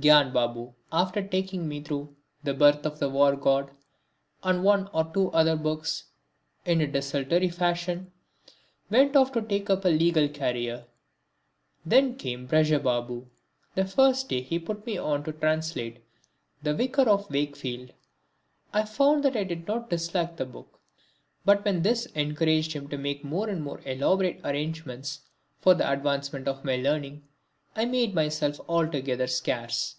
Gyan Babu, after taking me through "The Birth of the War god" and one or two other books in a desultory fashion, went off to take up a legal career. Then came Braja Babu. The first day he put me on to translate "The Vicar of Wakefield." I found that I did not dislike the book; but when this encouraged him to make more elaborate arrangements for the advancement of my learning I made myself altogether scarce.